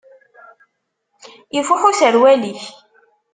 Ifuḥ userwal-ik.